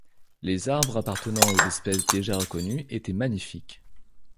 Les arbres, appartenant aux espèces déjà reconnues, étaient magnifiques